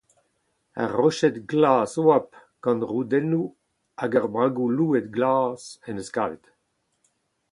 Ur roched glas-oabl gant roudennoù hag ur bragoù louet-glas en deus kavet.